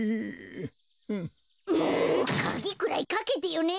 かぎくらいかけてよね！